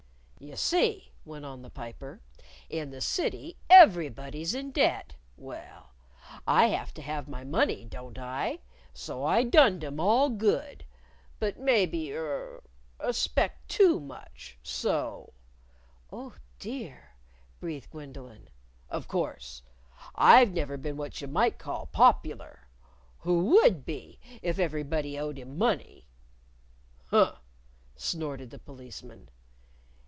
"You see," went on the Piper, "in the City everybody's in debt. Well, I have to have my money, don't I? So I dunned 'em all good. But maybe er a speck too much. So " "Oh, dear!" breathed Gwendolyn "Of course, I've never been what you might call popular. Who would be if everybody owed him money." "Huh!" snorted the Policeman.